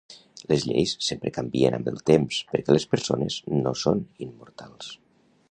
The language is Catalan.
Les lleis sempre canvien amb el temps per que les persones no són immortals